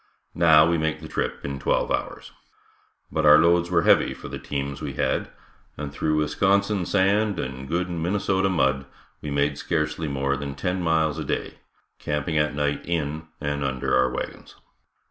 Now we make the trip in twelve hours. But our loads were heavy for the teams we had, and through Wisconsin sand and good Minnesota mud, we made scarcely more than ten miles a day, camping at night in and under our wagons.